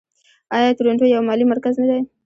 آیا تورنټو یو مالي مرکز نه دی؟